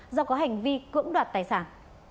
do có hành vi cưỡng đoạt tài sản